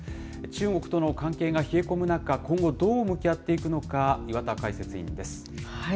中国との関係が冷え込む中、今後どう向き合っていくのか、岩田解説委員です。